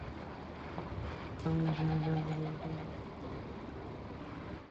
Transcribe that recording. এমন একজনকে সঙ্গী হিসেবে চান, যিনি হৃদয় দিয়ে অনুভব করবেন তাঁর কষ্ট।